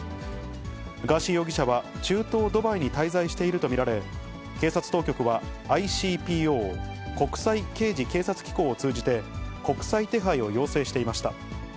ガーシー容疑者は中東ドバイに滞在しているとみられ、警察当局は、ＩＣＰＯ・国際刑事警察機構を通じて、国際手配を要請していました。